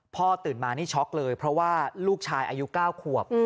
ตื่นมานี่ช็อกเลยเพราะว่าลูกชายอายุ๙ขวบ